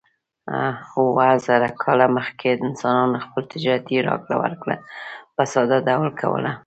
اووه زره کاله مخکې انسانانو خپل تجارتي راکړه ورکړه په ساده ډول کوله.